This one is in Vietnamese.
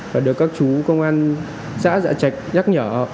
và được các chú công an xã dạ trạch nhắc nhở